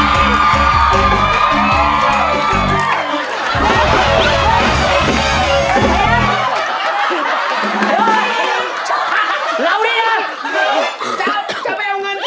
แล้วนักข่าวว่าแฟนก็ย่อร้อยกินรถ